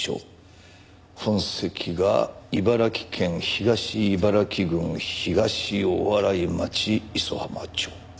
本籍が茨城県東茨城郡東大洗町磯浜町。